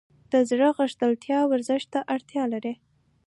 د زړه غښتلتیا ورزش ته اړتیا لري.